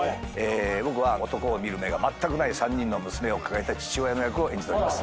僕は男を見る目がまったくない３人の娘を抱えた父親の役を演じております。